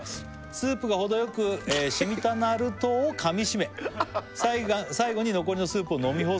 「スープが程よくしみたなるとをかみしめ」「最後に残りのスープを飲み干すと」